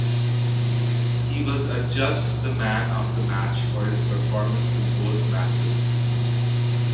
He was adjudged the man of the match for his performance in both matches.